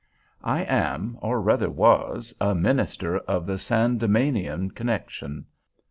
I am, or rather was, a minister, of the Sandemanian connection.